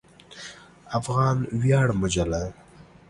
افغان ویاړ مجله